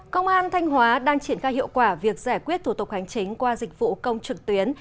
công an thanh hóa đang triển khai hiệu quả việc giải quyết thủ tục hành chính qua dịch vụ công trực tuyến